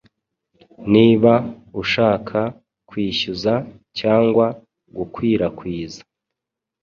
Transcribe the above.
Niba ushaka kwishyuza cyangwa gukwirakwiza